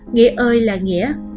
nghĩa ơi là nghĩa